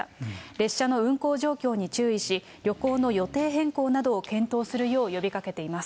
列車の運行状況に注意し、旅行の予定変更などを検討するよう呼びかけています。